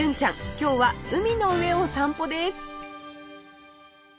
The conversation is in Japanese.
今日は海の上を散歩です